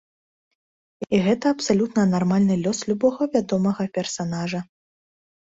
І гэта абсалютна нармальны лёс любога вядомага персанажа.